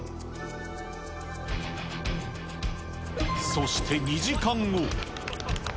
そして２時間後。